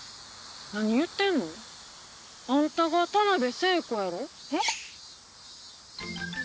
何言うてんの？あんたが田辺聖子やろ？え？